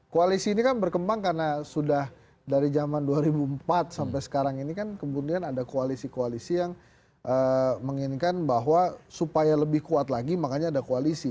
koalisi ini kan berkembang karena sudah dari zaman dua ribu empat sampai sekarang ini kan kemudian ada koalisi koalisi yang menginginkan bahwa supaya lebih kuat lagi makanya ada koalisi